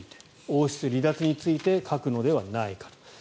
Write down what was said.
王室離脱について書くのではないかと。